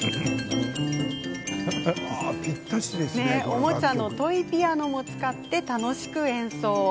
おもちゃのトイピアノも使って楽しく演奏。